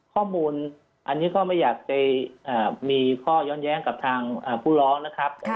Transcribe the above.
ข้อมูลอันนี้ก็ไม่อยากจะมีข้อย้อนแย้งกับทางผู้ร้องนะครับ